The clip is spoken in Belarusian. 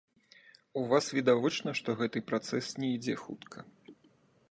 У вас відавочна, што гэты працэс не ідзе хутка.